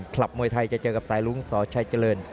มวยไทยจะเจอกับสายรุ้งสชัยเจริญ